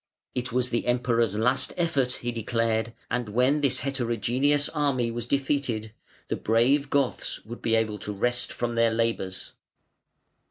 It was the Emperor's last effort, he declared, and when this heterogeneous army was defeated, the brave Goths would be able to rest from their labours.